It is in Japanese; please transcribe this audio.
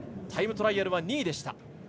タイムトライアルは２位でした。